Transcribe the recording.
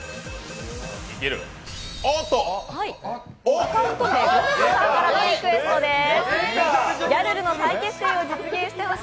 アカウント名、ごめそさんからのリクエストです。